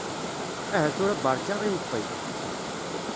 Aha tura barka imeṭṭi.